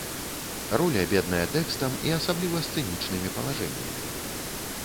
Роля бедная тэкстам і асабліва сцэнічнымі палажэннямі.